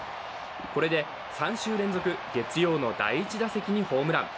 これで３週連続、月曜の第１打席にホームラン。